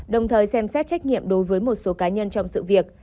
đồng thời xem xét trách nhiệm đối với một số cá nhân trong sự việc